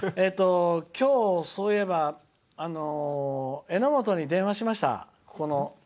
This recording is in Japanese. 今日、そういえばえのもとに電話しました。